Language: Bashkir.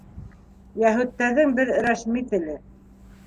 Йәһүдтәрҙең бер рәсми теле.